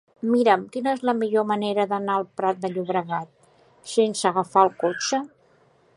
Mira'm quina és la millor manera d'anar al Prat de Llobregat sense agafar el cotxe.